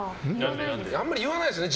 あんまり言わないですよね。